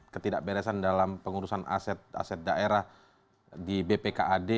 ketidakberesan dalam pengurusan aset aset daerah di bpkad